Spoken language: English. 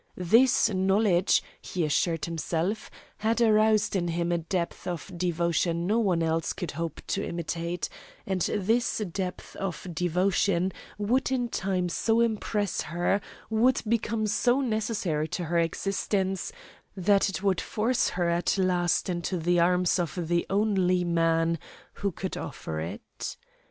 This knowledge, he assured himself, had aroused in him a depth of devotion no one else could hope to imitate, and this depth of devotion would in time so impress her, would become so necessary to her existence, that it would force her at last into the arms of the only man who could offer it.